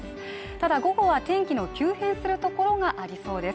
ただ午後は天気の急変する所がありそうです